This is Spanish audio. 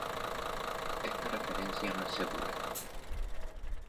Esta referencia no es segura.